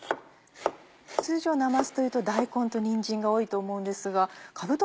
通常なますというと大根とニンジンが多いと思うんですがかぶと